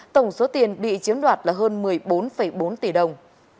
tổng số tiền bị chiếm đoạt là hơn một mươi bốn bốn tỷ đồng